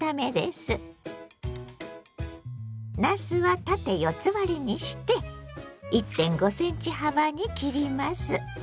なすは縦四つ割りにして１．５ｃｍ幅に切ります。